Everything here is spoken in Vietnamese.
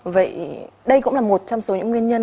vậy đây cũng là một trong số nguyên nhân